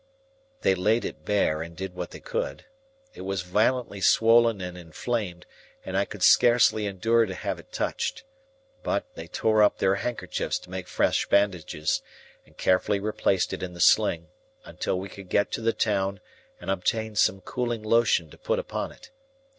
They laid it bare, and did what they could. It was violently swollen and inflamed, and I could scarcely endure to have it touched. But, they tore up their handkerchiefs to make fresh bandages, and carefully replaced it in the sling, until we could get to the town and obtain some cooling lotion to put upon it.